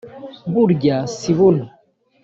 Burya si buno.